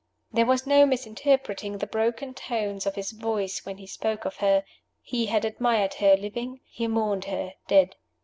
There was no misinterpreting the broken tones of his voice when he spoke of her: he had admired her, living; he mourned her, dead.